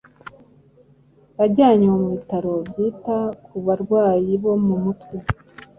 yajyanywe mu Bitaro byita ku barwayi bo mu mutwe